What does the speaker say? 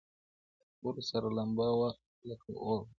• په خبرو سره لمبه وه لکه اور وه -